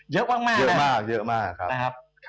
เยอะมาก